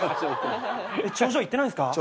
頂上行ってないんすか？